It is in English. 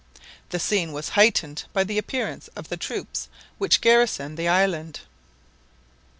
The scene was heightened by the appearance of the troops which garrison the island.